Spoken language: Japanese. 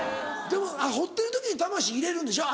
でも彫ってる時に魂入れるんでしょ？